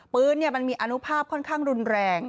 มันมีอนุภาพค่อนข้างรุนแรง